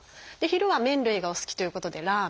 昼は麺類がお好きということでラーメン。